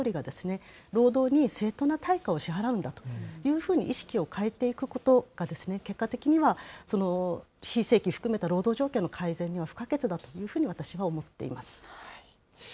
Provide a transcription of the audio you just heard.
私たち消費者一人一人が、労働に正当な対価を支払うんだというふうに意識を変えていくことが、結果的には非正規含めた労働条件改善には不可欠だというふうに私は思っています。